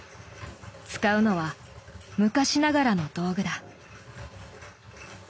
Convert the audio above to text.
使うのは昔ながらの道具だ。